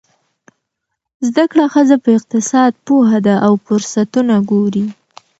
زده کړه ښځه په اقتصاد پوهه ده او فرصتونه ګوري.